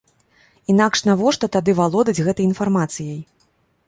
Інакш навошта тады валодаць гэтай інфармацыяй?